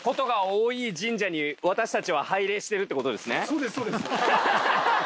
そうですそうです。ハハハ！